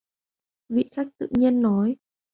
Vị Khách tự nhiên nói